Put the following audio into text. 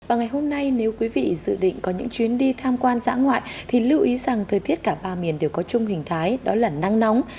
và ngày hôm nay nếu quý vị dự định có những chuyến đi tham quan dã ngoại thì lưu ý rằng thời tiết cả ba miền đều có chung hình thái đó là nắng nóng